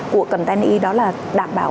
của contente đó là đảm bảo